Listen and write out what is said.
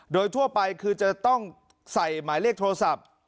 โดยทั่วไปคือจะต้องใส่หมายเลขโทรศัพท์